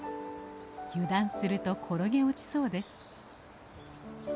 油断すると転げ落ちそうです。